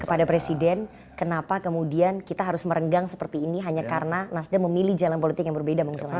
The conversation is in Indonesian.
kepada presiden kenapa kemudian kita harus merenggang seperti ini hanya karena nasdem memilih jalan politik yang berbeda mengusung ahok